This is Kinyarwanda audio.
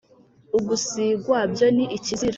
ugusigwa byo ni ikizira